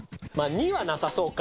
２はなさそうか。